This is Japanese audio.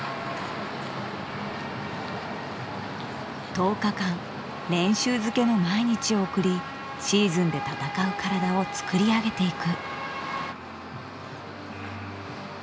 １０日間練習漬けの毎日を送りシーズンで戦う体を作り上げていく。